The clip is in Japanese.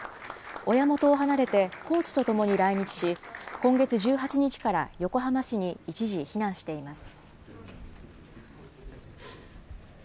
親元を離れて、コーチと共に来日し、今月１８日から横浜市に一時、避難しています。